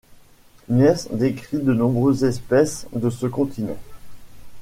Miers décrit de nombreuses espèces de ce continent.